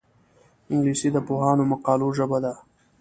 انګلیسي د پوهانو مقالو ژبه ده